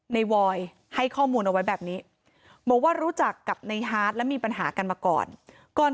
วอยให้ข้อมูลเอาไว้แบบนี้บอกว่ารู้จักกับในฮาร์ดและมีปัญหากันมาก่อนก่อน